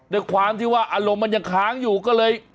ด้วยความที่ว่าอารมณ์มันยังค้างอยู่ก็เลย